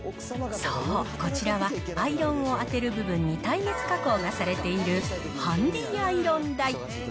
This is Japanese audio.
そう、こちらはアイロンを当てる部分に耐熱加工がされているハンディアイロン台。